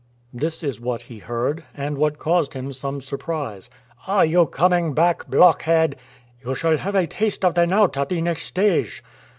This is what he heard, and what caused him some surprise: "Are you coming back, blockhead?" "You shall have a taste of the knout at the next stage."